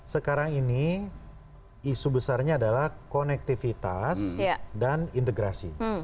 sekarang ini isu besarnya adalah konektivitas dan integrasi